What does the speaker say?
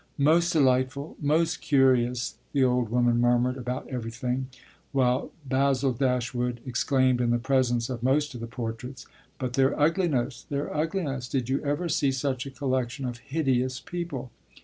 "Most delightful, most curious," the old woman murmured about everything; while Basil Dashwood exclaimed in the presence of most of the portraits: "But their ugliness their ugliness: did you ever see such a collection of hideous people?